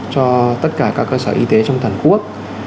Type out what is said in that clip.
cho tất cả các cơ sở y tế trong toàn quốc